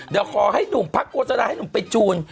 เดี๋ยวขอให้หนุ่มพักโฆษณาให้หนุ่มไปจูน